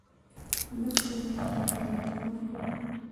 ده خپل هيواد لپاره کوښښ کوم